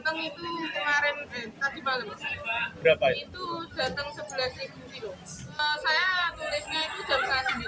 cuma mereka disini sudah dari jam sembilan